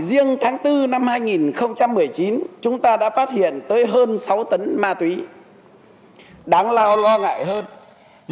riêng tháng bốn năm hai nghìn một mươi chín chúng ta đã phát hiện tới hơn sáu tấn ma túy đáng lo ngại hơn